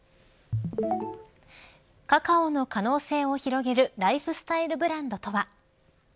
カカオの可能性を広げるライフスタイルブランドとは。